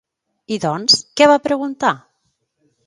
I doncs, què va preguntar?